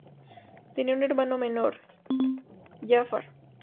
Tenía un hermano menor, Jafar.